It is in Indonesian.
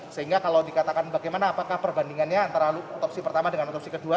sehingga kalau dikatakan bagaimana apakah perbandingannya antara otopsi pertama dengan otopsi kedua